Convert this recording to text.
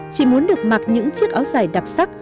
chị muốn được mặc những chiếc áo dài đặc sắc